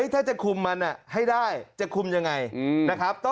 ถ้าจะคุมมันให้ได้จะคุมยังไงนะครับ